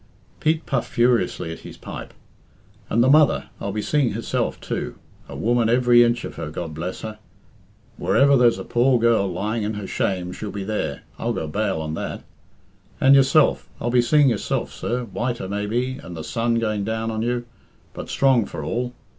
Pete puffed furiously at his pipe. "And the mother, I'll be seeing herself, too. A woman every inch of her, God bless her. Wherever there's a poor girl lying in her shame she'll be there, I'll go bail on that. And yourself I'll be seeing yourself, sir, whiter, maybe, and the sun going down on you, but strong for all.